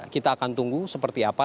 kita akan tunggu seperti apa